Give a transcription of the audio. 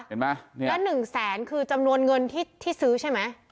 แล้วหนึ่งแสนคือจำนวนเงินที่ซื้อใช่ไหม